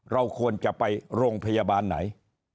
เราควรจะไปโรงพยาบาลไหน